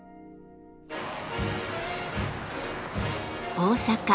大阪。